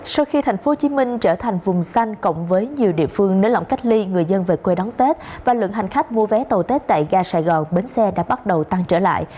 sau khi thành phố hồ chí minh trở thành vùng xanh cộng với nhiều địa phương nới lỏng cách ly người dân về quê đón tết và lượng hành khách mua vé tàu tết tại gà sài gòn bến xe đã bắt đầu tăng trở lại